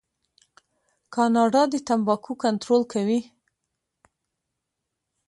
کاناډا د تمباکو کنټرول کوي.